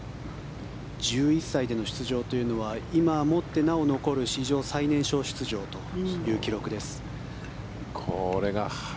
１１歳での出場というのは今もってなお残る史上最年少出場という記録です。